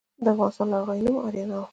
د افغانستان لرغونی نوم اریانا و